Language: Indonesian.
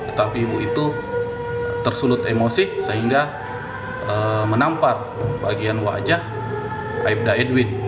tetapi ibu itu tersulut emosi sehingga menampar bagian wajah aibda edwin